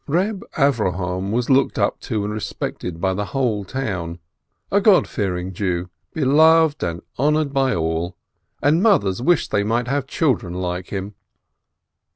Reb Avrohom was looked up to and respected by the whole town, a God fearing Jew, beloved and honored by all, and mothers wished they might have children like him.